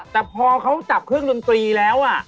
แต่พอเขาจับเครื่องดนตรีแล้ว